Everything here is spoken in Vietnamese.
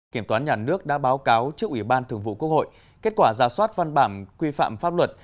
kiểm toán nhà nước đã báo cáo trước ủy ban thường vụ quốc hội kết quả giả soát văn bản quy phạm pháp luật